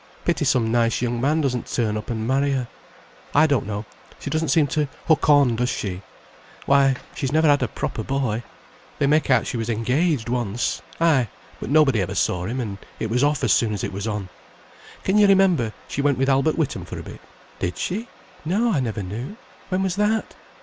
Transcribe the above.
Pity some nice young man doesn't turn up and marry her. I don't know, she doesn't seem to hook on, does she? Why she's never had a proper boy. They make out she was engaged once. Ay, but nobody ever saw him, and it was off as soon as it was on. Can you remember she went with Albert Witham for a bit. Did she? No, I never knew. When was that?